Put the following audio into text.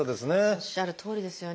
おっしゃるとおりですよね。